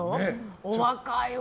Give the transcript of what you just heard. お若いわ。